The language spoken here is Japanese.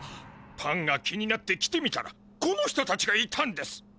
パンが気になって来てみたらこの人たちがいたんです。